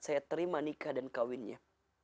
saya terima nikah dan kawinnya